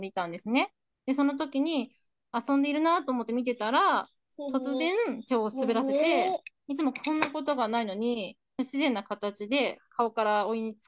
そのときに遊んでいるなと思って見てたら突然手を滑らせていつもこんなことがないのに不自然なかたちで顔からお湯に突っ込んでいってしまったんですね。